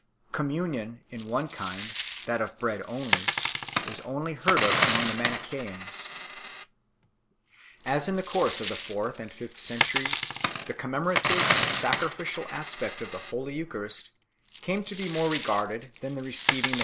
Com munion in one kind, that of bread only, was only heard of among the Manichseans 9 . As in the course of the fourth and fifth centuries the commemorative and sacrificial aspect of the Holy Eu 1 Bona, De Reims Lituryicis, lib.